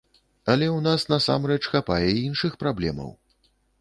Але ў нас, насамрэч, хапае і іншых праблемаў.